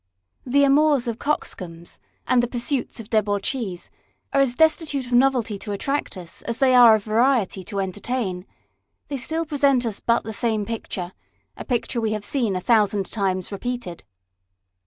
The amours of coxcombs and the pursuits of debauchees are as destitute of novelty to attract us as they are of variety to entertain ; they still present us but the same picture, a picture we have seen a thousand times repeated.